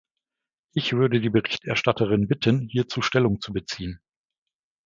Ich würde die Berichterstatterin bitten, hierzu Stellung zu beziehen.